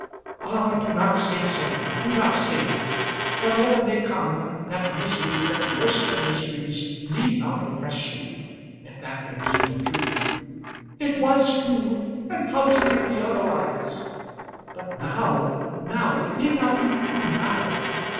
"Ah, do not say so. Do not say that. Whatever may come, that misery that worst of miseries need not oppress you. If that indeed were true!" "It was true; and how should it be otherwise?" "But now, now. It need not be true now.